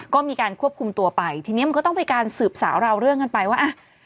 ก็มีการควบคุมตัวไปทีนี้มันก็ต้องไปการสืบสาวราวเรื่องกันไปว่าอ่ะ